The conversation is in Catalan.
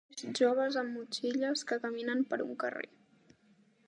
Nois joves amb motxilles que caminen per un carrer